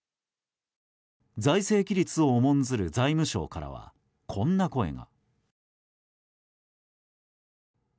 財政規律を重んずる財務省からはこんな声が。